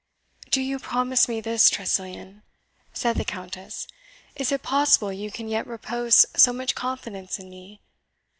"Do you promise me this, Tressilian?" said the Countess. "Is it possible you can yet repose so much confidence in me?